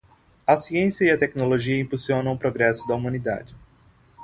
A ciência e a tecnologia impulsionam o progresso da humanidade.